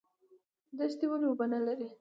دښتې ولې اوبه نلري؟